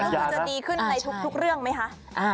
ก็คือจะดีขึ้นในทุกเรื่องไหมคะ